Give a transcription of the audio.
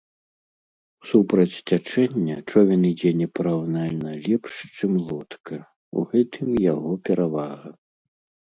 Супраць цячэння човен ідзе непараўнальна лепш, чым лодка, у гэтым яго перавага.